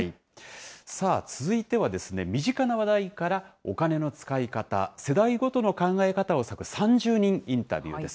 さあ、続いてはですね、身近な話題から、お金の使い方、世代ごとの考え方を探る３０人インタビューです。